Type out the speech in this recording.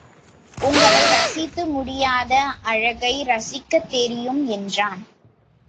உங்களை ரசிக்க முடியாது அழகை ரசிக்கத் தெரியும் என்றான்.